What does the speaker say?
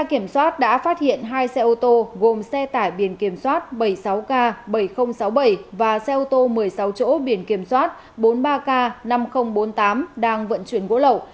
kiểm soát đã phát hiện hai xe ô tô gồm xe tải biển kiểm soát bảy mươi sáu k bảy nghìn sáu mươi bảy và xe ô tô một mươi sáu chỗ biển kiểm soát bốn mươi ba k năm nghìn bốn mươi tám đang vận chuyển gỗ lậu